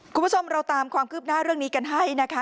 คุณผู้ชมเราตามความคืบหน้าเรื่องนี้กันให้นะคะ